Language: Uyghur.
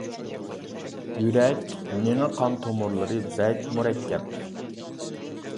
يۈرەك، مېڭە قان تومۇرلىرى بەك مۇرەككەپ.